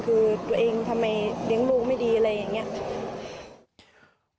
คือตัวเองทำไมเลี้ยงลูกไม่ดีอะไรอย่างนี้